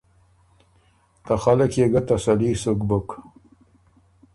ته خلق يې ګۀ تسلي سُک بُک